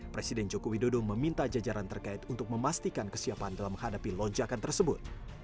presiden joko widodo meminta jajaran terkait untuk memastikan kesiapan dalam menghadapi lonjakan tersebut